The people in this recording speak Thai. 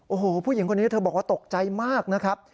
โอ้โหผู้หญิงคนนี้เธอบอกว่าตกใจมากนะครับ